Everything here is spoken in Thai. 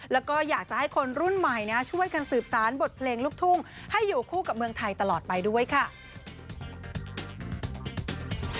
แล้วก็อยากจะให้คนรุ่นใหม่ช่วยกันสืบสารบทเพลงลูกทุ่งให้อยู่คู่กับเมืองไทยตลอดไปด้วยค่ะ